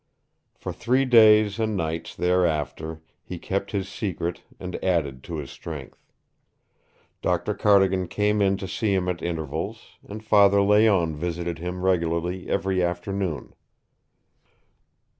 For three days and nights thereafter he kept his secret and added to his strength. Doctor Cardigan came in to see him at intervals, and Father Layonne visited him regularly every afternoon.